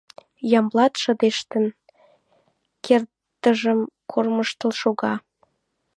Ямблат, шыдештын, кердыжым кормыжтыл шога.